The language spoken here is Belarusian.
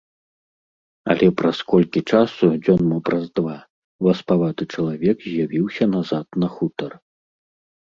Але праз колькі часу, дзён мо праз два, васпаваты чалавек з'явіўся назад на хутар.